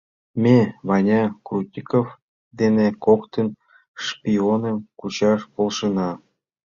Ме Ваня Крутиков дене коктын шпионым кучаш полшенна.